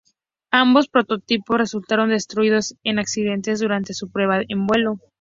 Ambos prototipos resultaron destruidos en accidentes durante su prueba en vuelo.